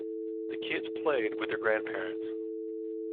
The kids played with their grandparents.